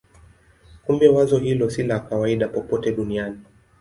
Kumbe wazo hilo si la kawaida popote duniani.